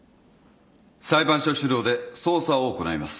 裁判所主導で捜査を行います。